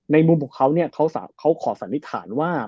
ในมุมของเค้าเค้าขอสันนิษฐานว่า